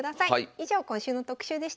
以上今週の特集でした。